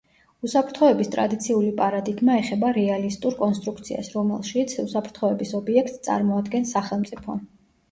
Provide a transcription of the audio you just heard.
უსაფრთხოების ტრადიციული პარადიგმა ეხება რეალისტურ კონსტრუქციას, რომელშიც უსაფრთხოების ობიექტს წარმოადგენს სახელმწიფო.